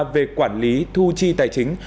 về quản lý thu chi tài chính